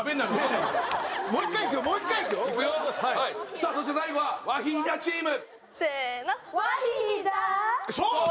さあそして最後はワヒヒダチーム。